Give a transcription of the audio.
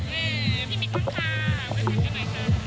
พี่บิ๊กบ้างค่ะ